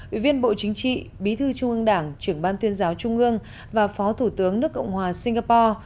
ủy viên bộ chính trị bí thư trung ương đảng trưởng ban tuyên giáo trung ương và phó thủ tướng nước cộng hòa singapore